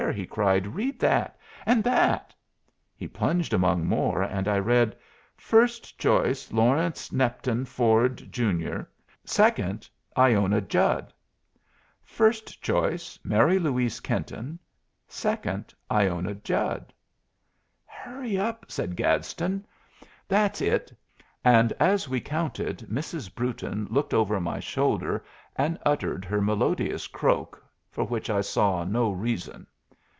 he cried. "Read that! and that!" He plunged among more, and I read: "First choice, Lawrence Nepton Ford, Jr.; 2d, Iona Judd." "First choice, Mary Louise Kenton; 2d, Iona Judd." "Hurry up!" said Gadsden; "that's it!" And as we counted, Mrs. Brewton looked over my shoulder and uttered her melodious croak, for which I saw no reason.